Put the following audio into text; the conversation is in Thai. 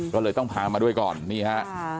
ก็เลยต้องพามาด้วยก่อนนี่ฮะ